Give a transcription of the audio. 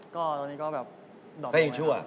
ก็ตอนนี้ก็แบบดอกทุกคน